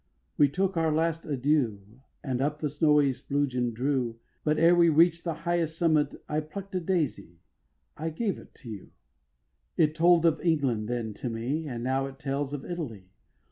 we took our last adieu, And up the snowy Splugen drew, But ere we reach'd the highest summit I pluck'd a daisy, I gave it you. It told of England then to me, And now it tells of Italy.